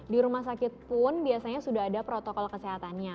di rumah sakit pun biasanya sudah ada protokol kesehatannya